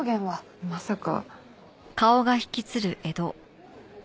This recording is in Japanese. まさか。